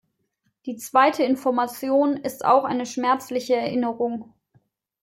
Die zweite Information ist auch eine schmerzliche Erinnerung.